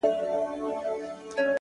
ه ولي په زاړه درد کي پایماله یې-